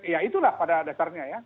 ya itulah pada dasarnya ya